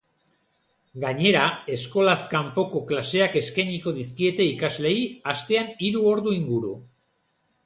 Gainera, eskolaz kanpoko klaseak eskainiko dizkiete ikasleei, astean hiru ordu inguru.